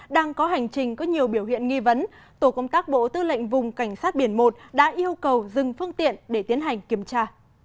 đang có hành trình có nhiều biểu hiện nghi vấn tổ công tác bộ tư lệnh vùng cảnh sát biển một đã yêu cầu dừng phương tiện để tiến hành kiểm tra